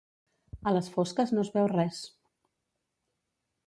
A les fosques no es veu res.